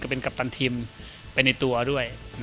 เป็นกัปตันทีมไปในตัวด้วย